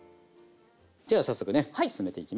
じゃあ早速ね進めていきます。